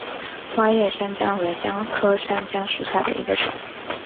花叶山姜为姜科山姜属下的一个种。